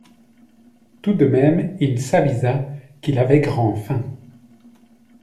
Tout de même il s'avisa qu'il avait grand faim.